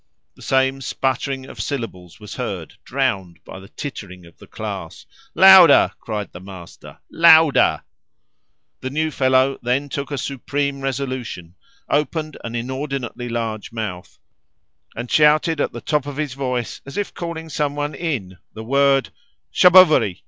The same sputtering of syllables was heard, drowned by the tittering of the class. "Louder!" cried the master; "louder!" The "new fellow" then took a supreme resolution, opened an inordinately large mouth, and shouted at the top of his voice as if calling someone in the word "Charbovari."